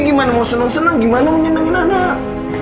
gimana mau senang senang gimana menyenengin anak